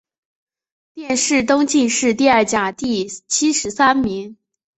殿试登进士第二甲第七十三名。